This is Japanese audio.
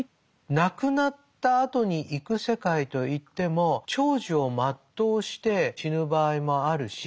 亡くなったあとに行く世界といっても長寿を全うして死ぬ場合もあるし